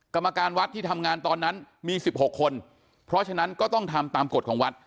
กรรมการวัดที่ทำงานตอนนั้นมี๑๖คนเพราะฉะนั้นก็ต้องทำตามกฎของวัด